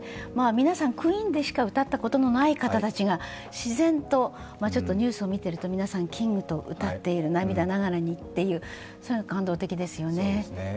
皆さん、「クイーン」でしか歌ったことのない方たちが自然とニュースを見ていると皆さん「キング」と涙ながらに歌っている、そういうのは感動的ですよね。